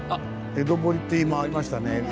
「江戸堀」って今ありましたね。